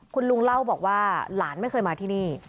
คุณลุงเล่าบอกว่าหลานไม่เคยมาที่นี่